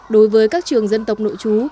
đối với các trường dân tộc nội chú